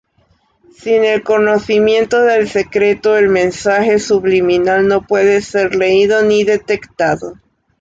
Sin el conocimiento del secreto el mensaje subliminal no puede ser leído ni detectado.